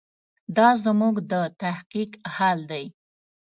دا زموږ د تحقیق حال دی.